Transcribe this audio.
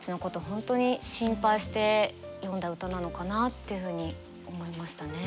本当に心配して詠んだ歌なのかなっていうふうに思いましたね。